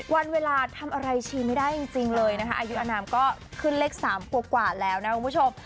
วันเวลาทำอะไรชีไม่ได้จริงเลยนะคะอายุอนามก็ขึ้นเลข๓กว่าแล้วนะคุณผู้ชม